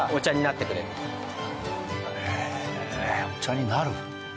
へえお茶になる。